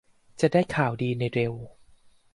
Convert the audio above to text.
จะได้ข่าวดีในเร็ว